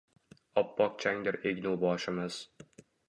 Oppok changdir egnu boshimiz